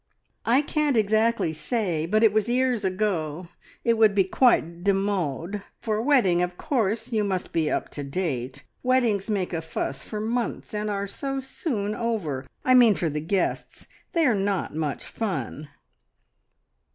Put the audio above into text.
"I can't exactly say! But it was years ago. It would be quite demode. For a wedding, of course, you must be up to date. Weddings make a fuss for months, and are so soon over I mean for the guests. They are not much fun."